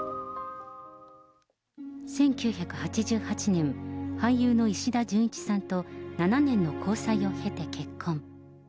１９８８年、俳優の石田純一さんと７年の交際を経て結婚。